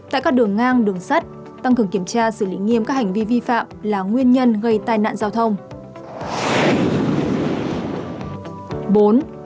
tại các đường ngang đường sắt tăng cường kiểm tra xử lý nghiêm các hành vi vi phạm là nguyên nhân gây tai nạn giao thông